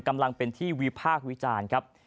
กำลังเป็นที่วิพากษ์วิจารณ์ครับ